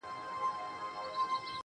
او د منطق له مخې